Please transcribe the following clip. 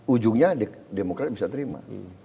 ujungnya demokrat bisa terima